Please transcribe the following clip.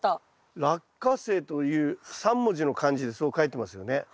「落花生」という３文字の漢字でそう書いてますよね。